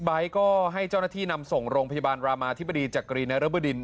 ก็ให้เจ้าหน้าที่นำส่งโรงพยาบาลรามาธิบดีจักรีนรบดิน